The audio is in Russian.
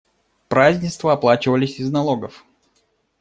Празднества оплачивались из налогов.